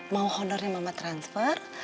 mau honornya mama transfer